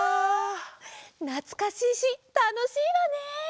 なつかしいしたのしいわね！